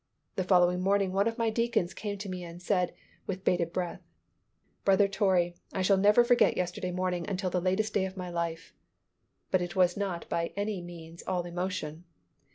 The following morning, one of my deacons came to me and said, with bated breath, "Brother Torrey, I shall never forget yesterday morning until the latest day of my life." But it was not by any means all emotion.